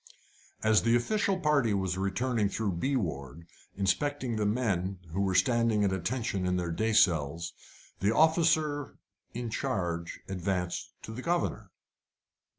As the official party was returning through B ward, inspecting the men, who were standing at attention in their day cells, the officer in charge advanced to the governor.